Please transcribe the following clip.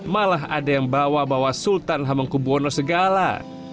malah ada yang bawa bawa sultan hamengkubwono segala